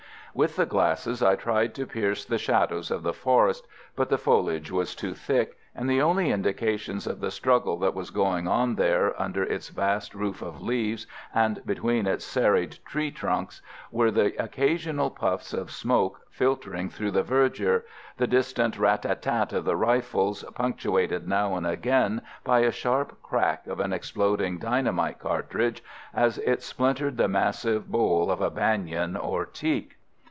With the glasses I tried to pierce the shadows of the forest, but the foliage was too thick, and the only indications of the struggle that was going on there under its vast roof of leaves, and between its serried tree trunks, were the occasional puffs of smoke filtering through the verdure, the distant rat! tat! tat! of the rifles, punctuated now and again by a sharp crack of an exploding dynamite cartridge as it splintered the massive bole of a banyan or teak.